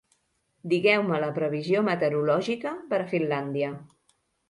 Digueu-me la previsió meteorològica per a Finlàndia